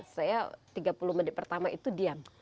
saya tiga puluh menit pertama itu diam